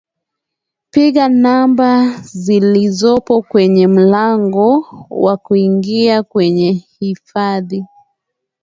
piga namba zilizopo kwenye mlango wa kuingia kwenye hifadhi